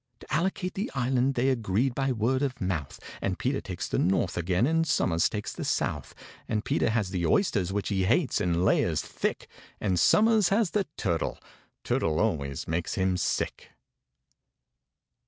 To allocate the island they agreed by word of mouth, And PETER takes the north again, and SOMERS takes the south; And PETER has the oysters, which he hates, in layers thick, And SOMERS has the turtle—turtle always makes him sick.